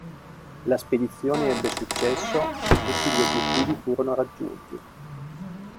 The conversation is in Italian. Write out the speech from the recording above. La spedizione ebbe successo, e tutti gli obbiettivi furono raggiunti.